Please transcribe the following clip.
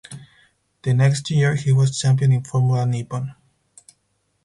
The next year he was champion in Formula Nippon.